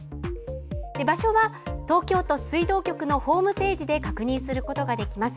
場所は東京都水道局のホームページで確認することができます。